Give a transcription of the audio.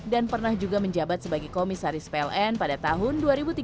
dan pernah juga menjabat sebagai komisaris pln pada tahun dua ribu dua belas